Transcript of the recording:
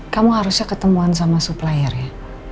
kamu harusnya ketemuan sama supplier ya